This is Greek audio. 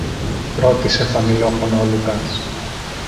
ρώτησε χαμηλόφωνα ο Λουκάς.